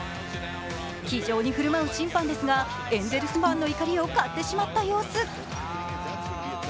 気丈に振る舞う審判ですがエンゼルスファンの怒りを買ってしまった様子。